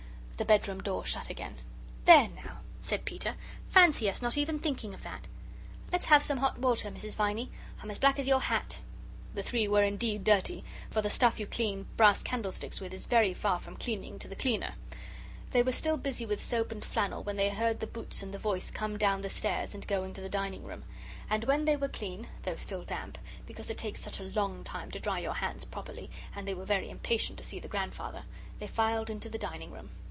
The bedroom door shut again. "There now!" said Peter; "fancy us not even thinking of that! Let's have some hot water, Mrs. Viney. I'm as black as your hat." The three were indeed dirty, for the stuff you clean brass candlesticks with is very far from cleaning to the cleaner. They were still busy with soap and flannel when they heard the boots and the voice come down the stairs and go into the dining room. And when they were clean, though still damp because it takes such a long time to dry your hands properly, and they were very impatient to see the grandfather they filed into the dining room.